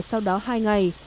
sau đó hai ngày